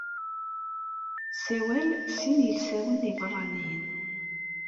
Tessawal sin yilsawen ibeṛṛaniyen.